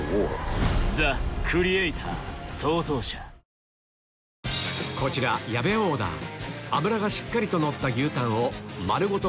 そしてこの後こちら矢部オーダー脂がしっかりとのった牛タンを丸ごと